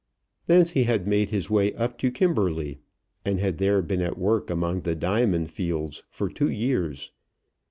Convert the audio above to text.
Thence he had made his way up to Kimberley, and had there been at work among the diamond fields for two years.